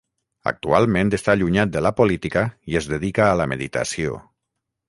Actualment està allunyat de la política i es dedica a la meditació.